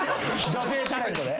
女性タレントで。